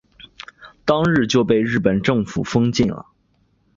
当日就被日本政府封禁了。